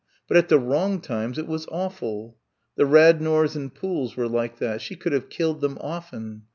But at the wrong times it was awful.... The Radnors and Pooles were like that. She could have killed them often.